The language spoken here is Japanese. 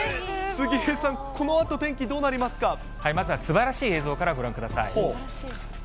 杉江さん、このあと、天気どうなまずはすばらしい映像からご覧ください。